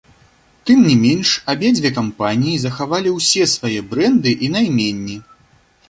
Тым не менш, абедзве кампаніі захавалі ўсе свае брэнды і найменні.